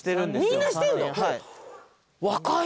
みんなしてるの？